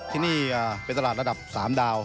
ที่นี่เป็นตลาดระดับ๓ดาว